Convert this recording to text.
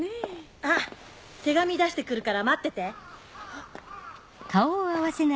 あっ手紙出して来るから待ってて。